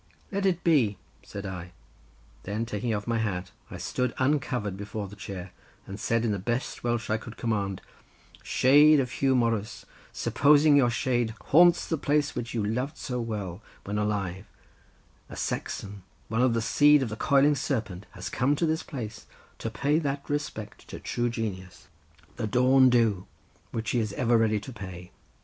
"Let it be," said I; then taking off my hat I stood uncovered before the chair, and said in the best Welsh I could command, "Shade of Huw Morus, supposing your shade haunts the place which you loved so well when alive—a Saxon, one of the seed of the Coiling Serpent, has come to this place to pay that respect to true genius, the Dawn Duw, which he is ever ready to pay.